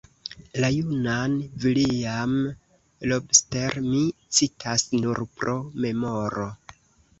La junan Villiam Lobster mi citas nur pro memoro.